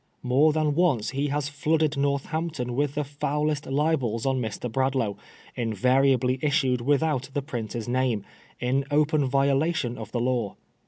More than once he has flooded Northampton with the foulest libels on Mr. Bradlaogh, invariably issued without the printer's name, in open violation of the law.